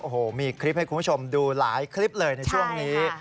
โอ้โหมีคลิปให้คุณผู้ชมดูหลายคลิปเลยในช่วงนี้